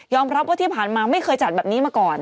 รับว่าที่ผ่านมาไม่เคยจัดแบบนี้มาก่อน